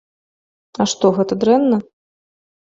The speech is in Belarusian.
А што, гэта дрэнна?